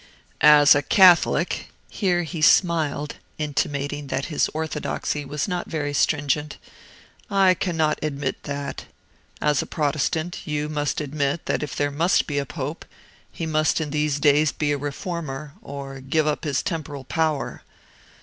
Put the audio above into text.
"As a Catholic," here he smiled, intimating that his orthodoxy was not very stringent, "I cannot admit that; as a Protestant, you must admit that if there must be a pope, he must in these days be a reformer, or give up his temporal power.